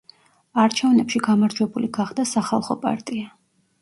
არჩევნებში გამარჯვებული გახდა სახალხო პარტია.